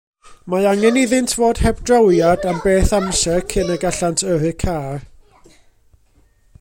Mae angen iddynt fod heb drawiad am beth amser cyn y gallant yrru car.